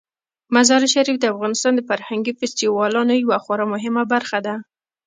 مزارشریف د افغانستان د فرهنګي فستیوالونو یوه خورا مهمه برخه ده.